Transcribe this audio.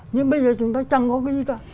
nhưng bây giờ chúng ta chẳng có cái gì cả